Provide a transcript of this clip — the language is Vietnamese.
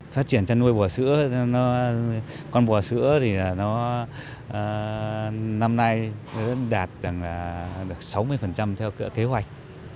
phát triển chân nuôi bò sữa con bò sữa thì nó năm nay đạt sáu mươi theo kế hoạch